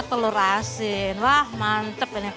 telur asin wah mantep